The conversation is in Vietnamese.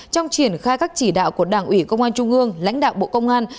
trong triển khai các chỉ đạo của đảng ủy công an trung ương lãnh đạo bộ công an